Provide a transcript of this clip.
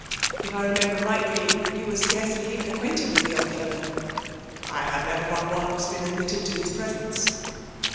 " If I remember rightly, you were scarcely even acquainted with the old fellow T " I had never but once been admitted to his presence.